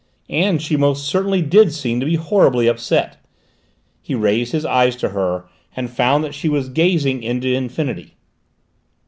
And she most certainly did seem to be horribly upset. He raised his eyes to her and found that she was gazing into infinity.